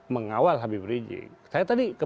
mengawal habib rijing saya tadi ke